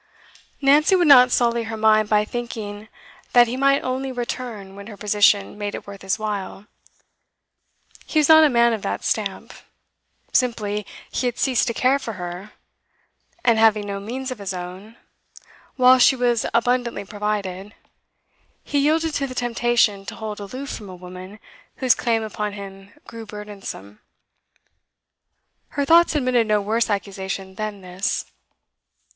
Nancy would not sully her mind by thinking that he might only return when her position made it worth his while. He was not a man of that stamp. Simply, he had ceased to care for her; and having no means of his own, whilst she was abundantly provided, he yielded to the temptation to hold aloof from a woman whose claim upon him grew burdensome. Her thoughts admitted no worse accusation than this.